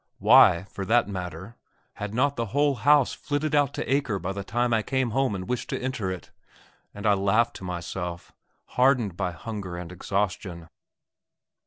"Why, for that matter, had not the whole house flitted out to Aker by the time I came home and wished to enter it?" ... and I laughed to myself, hardened by hunger and exhaustion.